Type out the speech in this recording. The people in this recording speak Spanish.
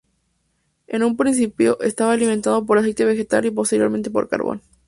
En un principio estaba alimentado por aceite vegetal y posteriormente con carbón.